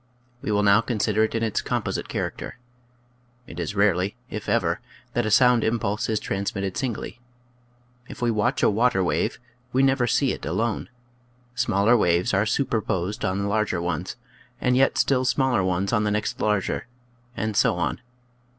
We will now consider it in its composite character. It is rarely, if ever, that a sound impulse is transmitted singly. If we watch a water wave we never see it alone. Smaller waves are superposed on the larger ones, and yet still smaller ones on the next larger and so on.